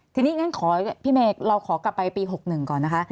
ทีนี้งั้นขอพี่เมย์เราขอกลับไปปี๖๑ก่อนนะคะ